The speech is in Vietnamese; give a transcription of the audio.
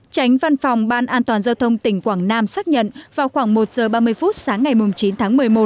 tránh văn phòng ban an toàn giao thông tỉnh quảng nam xác nhận vào khoảng một giờ ba mươi phút sáng ngày chín tháng một mươi một